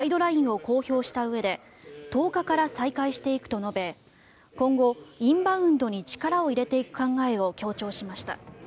岸田総理は外国人観光客の受け入れについて７日にガイドラインを公表したうえで１０日から再開していくと述べ今後、インバウンドに力を入れていく考えを強調しました。